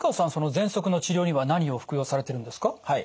ぜんそくの治療には何を服用されてるんですか？